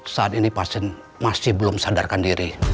saat ini pasien masih belum sadarkan diri